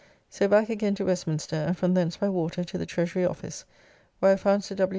So back again to Westminster, and from thence by water to the Treasury Office, where I found Sir W.